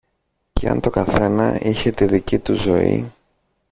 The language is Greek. Κι αν το καθένα είχε τη δική του ζωή